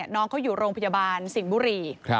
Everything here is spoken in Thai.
น้องเขาอยู่โรงพยาบาลสิงห์บุรี